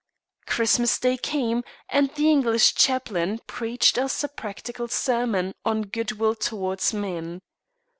Christmas Day came, and the English chaplain preached us a practical sermon on "Goodwill towards men."